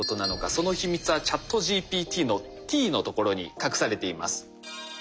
その秘密はＣｈａｔＧＰＴの「Ｔ」のところに隠されています。